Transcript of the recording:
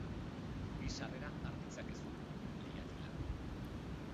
Bi sarrera har ditzakezu leihatilan.